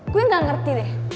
gue nggak ngerti deh